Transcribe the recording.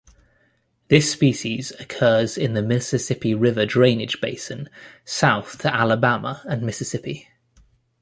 This species occurs in the Mississippi River drainage basin south to Alabama and Mississippi.